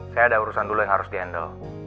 saya ada urusan dulu yang harus di handle